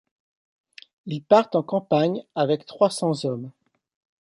Ils partent en campagne avec trois-cents hommes.